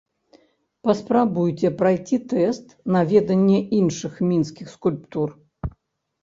Паспрабуйце прайсці тэст на веданне іншых мінскіх скульптур!